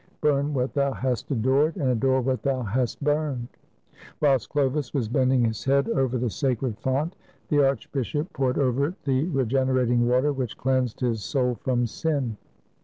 Burn what thou hast adored, and adore what thou hast burned"; whilst Chlovis was bending his head over the 153 FRANCE sacred font, the archbishop poured over it the regener ating water which cleansed his soul from sin.